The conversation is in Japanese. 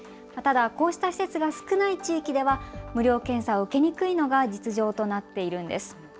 ただこうした施設が少ない地域では無料検査を受けにくいのが実情となっているんです。